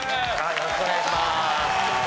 よろしくお願いします。